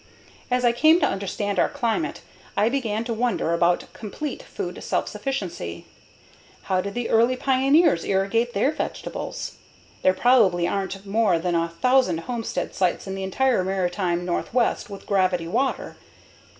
As I came to understand our climate, I began to wonder about complete food self sufficiency. How did the early pioneers irrigate their vegetables? There probably aren't more than a thousand homestead sites in the entire maritime Northwest with gravity water.